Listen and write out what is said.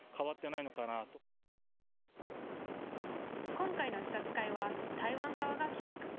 今回の視察会は、台湾側が企画。